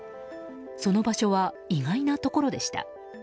その場所は意外なところでした。